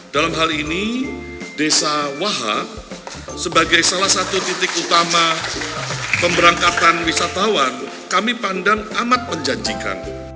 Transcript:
dalam hal ini desa wahha sebagai salah satu titik utama pemberangkatan wisatawan kami pandang amat menjanjikan